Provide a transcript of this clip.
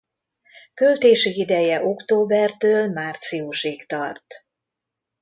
Költési ideje októbertől márciusig tart.